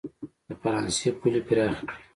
د فرانسې پولې پراخې کړي.